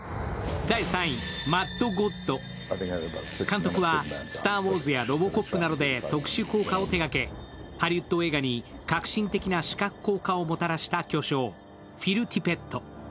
監督は「スター・ウォーズ」や「ロボコップ」で特殊効果を手がけ、ハリウッド映画に革新的な視覚効果をもたらした巨匠・フィル・ティペット。